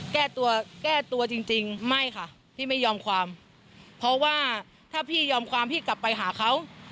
แก้ตัวแก้ตัวจริงจริงไม่ค่ะพี่ไม่ยอมความเพราะว่าถ้าพี่ยอมความพี่กลับไปหาเขา